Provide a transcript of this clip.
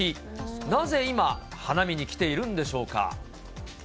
なぜ今、花見に来ているんでしょうか。